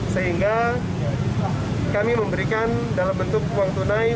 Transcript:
sehingga kami memberikan dalam bentuk uang tunai